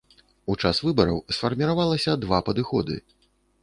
У час выбараў сфармавалася два падыходы.